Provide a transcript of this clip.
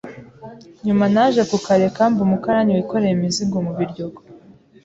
nyuma naje kukareka mba umukarani wikorera imizigo mu biryogo.